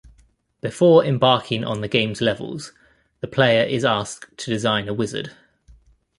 Before embarking on the game's levels, the player is asked to design a wizard.